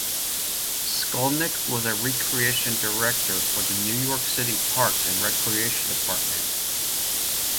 Skolnick was a recreation director for the New York City Parks and Recreation Department.